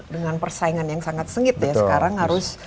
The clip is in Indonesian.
dengan persaingan yang sangat sengit ya sekarang harus